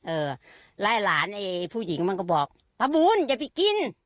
เอ่อไล่หลานไอ้ผู้หญิงมันก็บอกพระบูลอย่าไปกิน